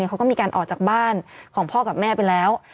เขาก็มีการออกจากบ้านของพ่อกับแม่ไปแล้ว